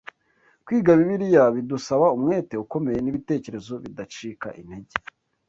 Kwiga Bibiliya bidusaba umwete ukomeye n’ibitekerezo bidacika intege